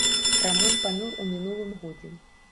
Рамон памёр у мінулым годзе.